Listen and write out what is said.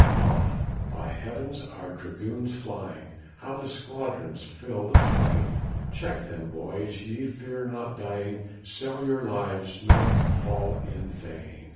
Ah! by heavens, our dragoons flying, How the squadrons fill the plain! Check them, boys, ye fear not dying, Sell your lives, nor fall in vain.